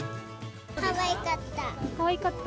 かわいかった。